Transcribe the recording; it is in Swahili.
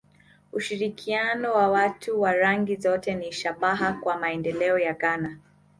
Ushirikiano wa watu wa rangi zote ni shabaha kwa maendeleo ya Ghana